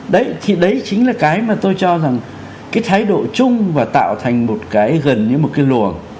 đấy thì đấy chính là cái mà tôi cho rằng cái thái độ chung và tạo thành một cái gần như một cái luồng